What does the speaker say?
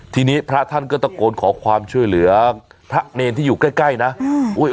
ทีนี้พระท่านก็ตะโกนขอความช่วยเหลือพระเนรที่อยู่ใกล้ใกล้นะอืมอุ้ย